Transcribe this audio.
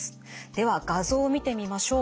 では画像を見てみましょう。